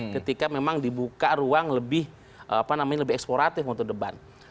ketika memang dibuka ruang lebih eksploratif untuk debat